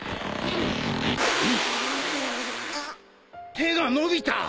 手が伸びた！